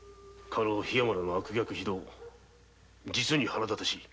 家老桧山らの悪逆非道実に腹立たしい。